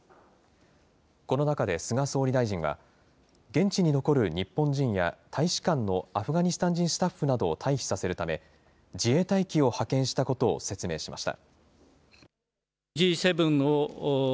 この中で菅総理大臣は、現地に残る日本人や、大使館のアフガニスタン人スタッフなどを退避させるため、自衛隊機を派遣したことを説明しました。